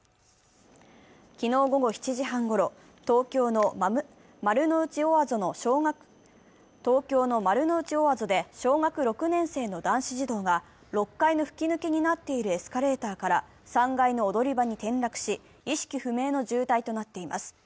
昨日午後７時半ごろ、東京の丸の内オアゾで小学６年生の男子児童が６階の吹き抜けになっているエスカレーターから３階の踊り場に転落し、意識不明の重体となっています。